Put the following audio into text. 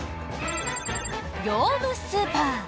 業務スーパー。